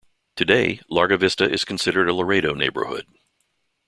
Today, Larga Vista is considered a Laredo neighborhood.